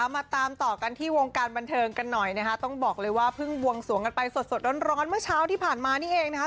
มาตามต่อกันที่วงการบันเทิงกันหน่อยนะคะต้องบอกเลยว่าเพิ่งบวงสวงกันไปสดร้อนเมื่อเช้าที่ผ่านมานี่เองนะคะ